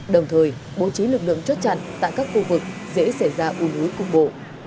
đồng thời bố trí lực lượng chốt chặn tại các khu vực dễ xảy ra u nối cùng bộ